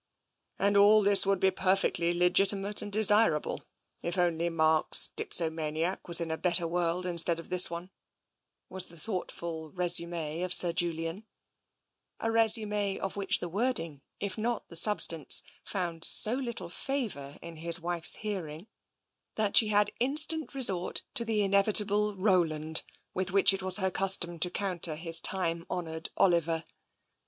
" And all this would be perfectly legitimate and de sirable if only Mark's dipsomaniac was in a better world instead of in this one," was the thoughtful resume of Sir Julian — a resume of which the wording, if not the substance, found so little favour in his wife's TENSION 241 hearing that she had instant resort to the inevitable Roland with which it was her custom to counter his time honoured Oliver.